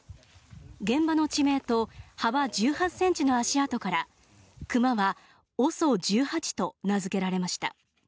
現場の地名と幅１８ｃｍの足跡から熊はＯＳＯ１８と名付けられました。